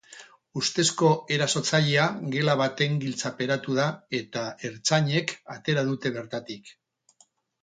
Ustezko erasotzailea gela baten giltzaperatu da eta ertzainek atera dute bertatik.